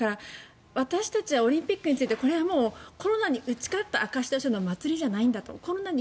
私たちはオリンピックについてこれはもうコロナに打ち勝った証しとしての祭りではないんだと。